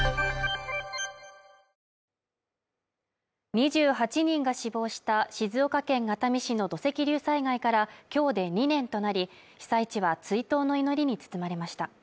２８人が死亡した静岡県熱海市の土石流災害から今日で２年となり、被災地は追悼の祈りに包まれました。